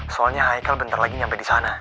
soalnya haikal bentar lagi nyampe disana